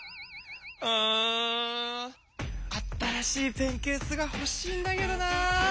うん新しいペンケースがほしいんだけどなあ。